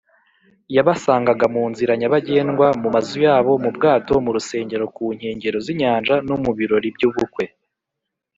Yabasangaga mu nzira nyabagendwa, mu mazu yabo, mu bwato, mu rusengero, ku nkengero z’inyanja, no mu birori by’ubukwe